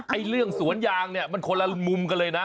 เรื่องสวนยางเนี่ยมันคนละมุมกันเลยนะ